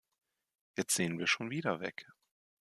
Jetzt sehen wir schon wieder weg.